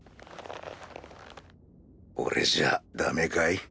俺じゃダメかい？